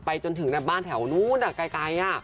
ไปจนถึงบ้านแถวนไกลน่ะ